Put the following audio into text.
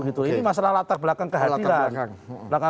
ini masalah latar belakang kehadiran